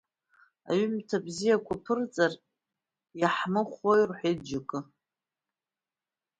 Аҩымҭа бзиақәа аԥырҵар иааҳамхәои, – рҳәоит џьоукы.